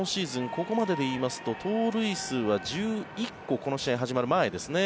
ここまででいいますと盗塁数は１１個この試合が始まる前ですね